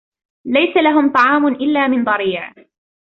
ليس لهم طعام إلا من ضريع